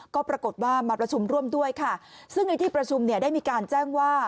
ก็ปรากฏว่ามาประชุมร่วมด้วยค่ะซึ่งในที่ประชุมเนี่ยได้มีการแจ้งว่า